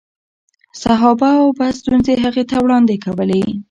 صحابه به ستونزې هغې ته وړاندې کولې.